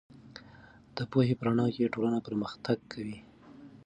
د پوهې په رڼا کې ټولنه پرمختګ کوي.